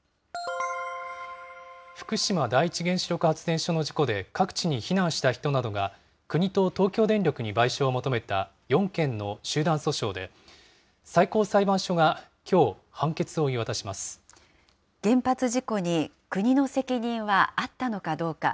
福島第一原子力発電所の事故で各地に避難した人などが、国と東京電力に賠償を求めた４件の集団訴訟で、最高裁判所がきょう、原発事故に国の責任はあったのかどうか。